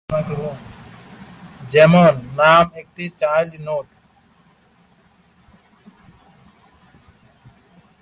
যেমন, নাম একটি চাইল্ড নোড।